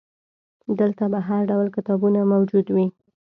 دلته به هرډول کتابونه موجود وي.